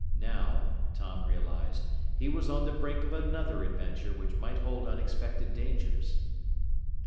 Now, Tom realized, he was on the brink of another adventure which might hold unexpected dangers.